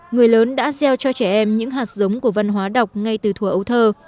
người lớn đã gieo cho trẻ em những hạt giống của văn hóa đọc ngay từ thùa ấu thơ